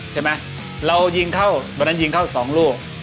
ใช่ไหมเราวันนั้นยิงเข้า๒ลูก